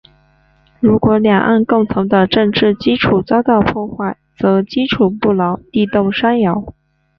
如果两岸共同的政治基础遭到破坏，则基础不牢，地动山摇。